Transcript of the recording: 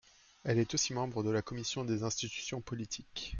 Elle est aussi membre de la commission des institutions politiques.